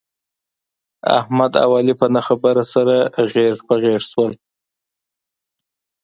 احمد او علي په نه خبره سره غېږ په غېږ شول.